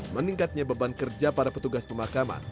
meningkatnya beban kerja para petugas pemakaman